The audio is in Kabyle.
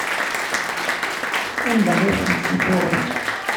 Anda ay tent-tennuɣem?